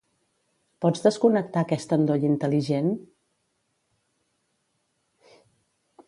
Pots desconnectar aquest endoll intel·ligent?